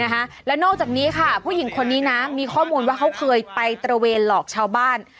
แล้วนอกจากนี้ค่ะผู้หญิงคนนี้นะมีข้อมูลว่าเขาเคยไปตระเวนหลอกชาวบ้าน